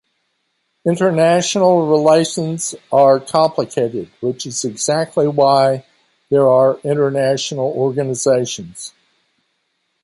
International relations are complicated, which is exactly why there are international organizations.